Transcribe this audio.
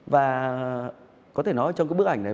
và có thể nói trong cái bức ảnh này